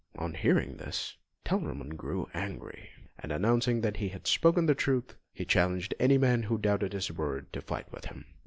On hearing this, Telramund grew angry, and announcing that he had spoken the truth, he challenged any man who doubted his word to fight with him.